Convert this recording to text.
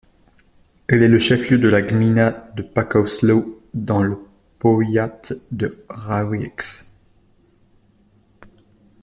Elle est le chef-lieu de la gmina de Pakosław, dans le powiat de Rawicz.